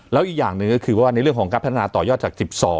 แล้วอีกอย่างหนึ่งก็คือว่าในเรื่องของการพัฒนาต่อยอดจาก๑๒